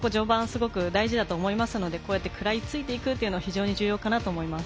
すごく大事だと思いますので食らいついていくというのは非常に重要かなと思います。